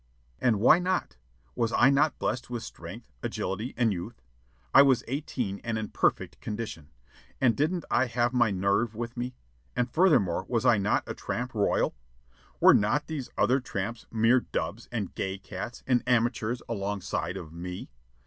And why not? Was I not blessed with strength, agility, and youth? (I was eighteen, and in perfect condition.) And didn't I have my "nerve" with me? And furthermore, was I not a tramp royal? Were not these other tramps mere dubs and "gay cats" and amateurs alongside of me?